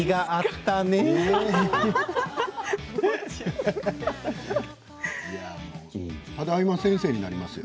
ただいま先生になりますよ。